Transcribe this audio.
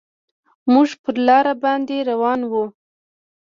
موږ پر لاره باندې روان وو.